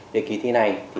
để ký thi này